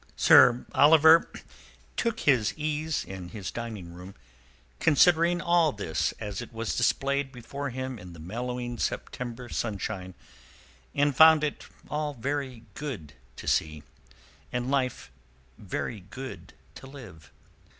Sir Oliver took his ease in his dining room considering all this as it was displayed before him in the mellowing September sunshine, and found it all very good to see, and life very good to live.